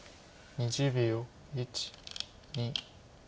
２０秒。